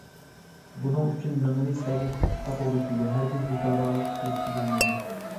بۇنىڭ ئۈچۈن، مېڭىنى سەگەك تۇتۇشقا توغرا كېلىدۇ، ھەرگىز بىپەرۋالىق قىلىشقا بولمايدۇ.